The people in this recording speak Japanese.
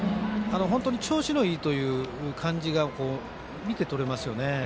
本当に調子がいいという感じが見て取れますよね。